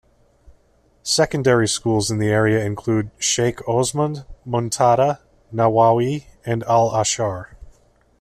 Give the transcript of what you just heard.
Secondary schools in the area include Sheikh Osman, Muntada, Nawawi and Al-Ashar.